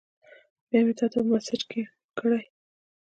بیا مې تاته په میسج کړی